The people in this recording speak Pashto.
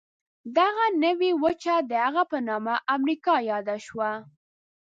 دغه نوې وچه د هغه په نامه امریکا یاده شوه.